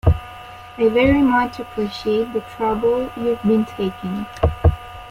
I very much appreciate the trouble you've been taking